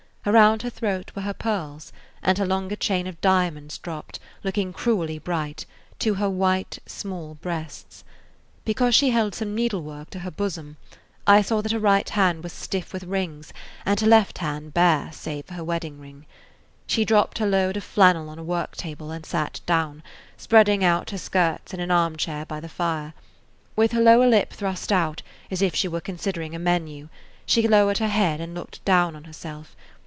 Around her throat were her pearls, and her longer chain of diamonds dropped, looking cruelly bright, to her white, small breasts; because she held some needlework to her bosom, I saw that her right hand was stiff with rings and her left hand bare save for her wedding ring. She dropped her load of flannel on a work table and sat down, spreading out her skirts, in an arm chair by the fire. With her lower lip thrust out, as if she were considering a menu, she lowered her head and looked down on herself.